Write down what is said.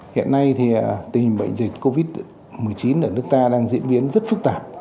hiện nay thì tình hình bệnh dịch covid một mươi chín ở nước ta đang diễn biến rất phức tạp